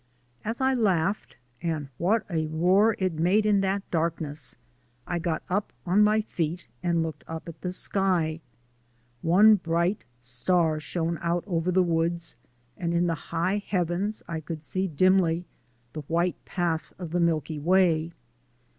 As I laughed and what a roar it made in that darkness! I got up on my feet and looked up at the sky. One bright star shone out over the woods, and in high heavens I could see dimly the white path of the Milky Way.